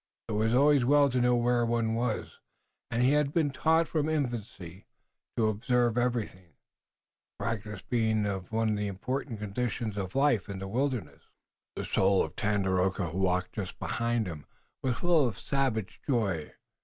It was always well to know where one was, and he had been taught from infancy to observe everything, the practice being one of the important conditions of life in the wilderness. The soul of Tandakora, who walked just behind him, was full of savage joy.